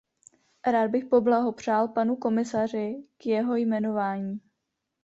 Rád bych poblahopřál panu komisaři k jeho jmenování.